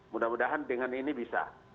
mudah mudahan dengan ini bisa